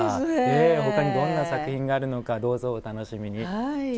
ほかに、どんな作品があるのかどうぞ、お楽しみに。